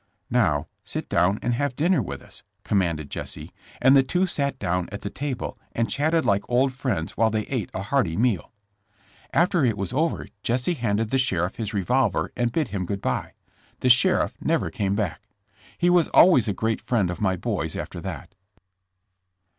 *' 'Now, sit down and have dinner with us,' com manded Jesse, and the two sat down at the table and chatted like old friends while they ate a hearty meal. OUTI.AWED AND HUN^SD. 91 After it was over Jesse handed the sheriff his revol ver and bid him good bye. The sheriff never came back. He was always a great friend of my boys after that."